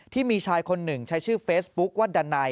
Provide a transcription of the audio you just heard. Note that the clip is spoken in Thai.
ที่มีชายคนหนึ่งใช้ชื่อเฟซบุ๊คว่าดันไน